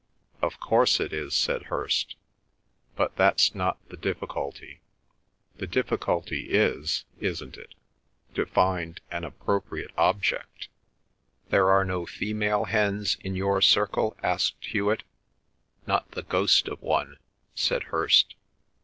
"Of course it is," said Hirst. "But that's not the difficulty. The difficulty is, isn't it, to find an appropriate object?" "There are no female hens in your circle?" asked Hewet. "Not the ghost of one," said Hirst.